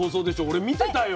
俺見てたよ。